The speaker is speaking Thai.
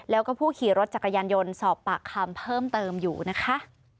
แล้วก็ผู้ขี่รถจักรยานยนต์สอบปากคำเพิ่มเติมอยู่นะคะ